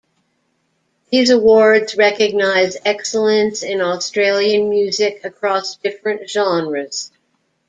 These awards recognise excellence in Australian music across different genres.